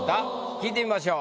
聞いてみましょう。